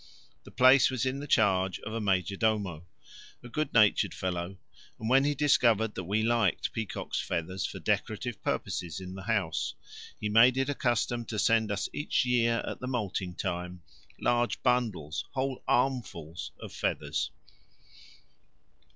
The place was in the charge of a major domo, a good natured fellow, and when he discovered that we liked peacocks' feathers for decorative purposes in the house, he made it a custom to send us each year at the moulting time large bundles, whole armfuls, of feathers.